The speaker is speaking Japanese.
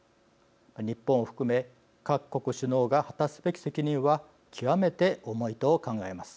日本を含め各国首脳が果たすべき責任は極めて重いと考えます。